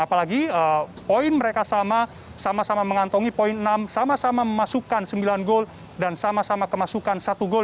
apalagi poin mereka sama sama mengantongi poin enam sama sama memasukkan sembilan gol dan sama sama kemasukan satu gol